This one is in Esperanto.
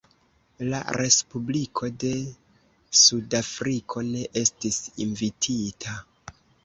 La Respubliko de Sudafriko ne estis invitita.